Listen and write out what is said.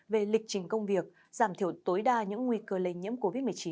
về lịch trình công việc giảm thiểu tối đa những nguy cơ lây nhiễm covid một mươi chín